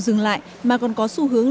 dừng lại mà còn có xu hướng